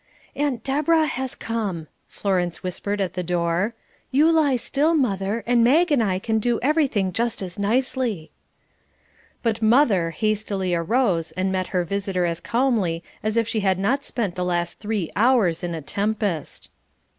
"Aunt Deborah has come," Florence whispered at the door. "You lie still, mother, and Mag and I can do everything just as nicely." But "mother" hastily arose and met her visitor as calmly as if she had not spent the last three hours in a tempest.